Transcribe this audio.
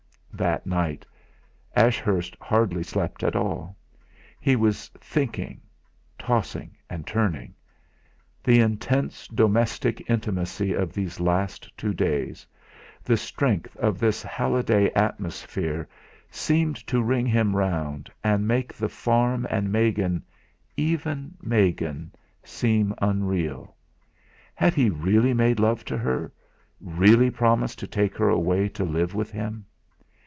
That night Ashurst hardly slept at all. He was thinking, tossing and turning. The intense domestic intimacy of these last two days, the strength of this Halliday atmosphere, seemed to ring him round, and make the farm and Megan even Megan seem unreal. Had he really made love to her really promised to take her away to live with him?